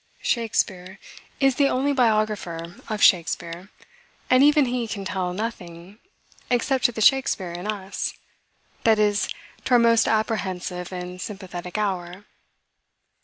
Shakspeare is the only biographer of Shakspeare; and even he can tell nothing, except to the Shakspeare in us; that is, to our most apprehensive and sympathetic hour.